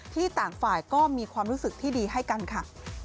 ต่างฝ่ายก็มีความรู้สึกที่ดีให้กันค่ะ